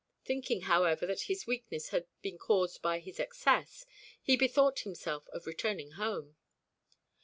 Thinking, however, that his weakness had been caused by his excess, he bethought himself of returning home.